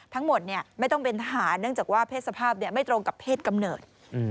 ทั้งหมดไม่ต้องเป็นทหารเนื่องจากว่าเพศสภาพไม่ตรงกับเพศกำเนิด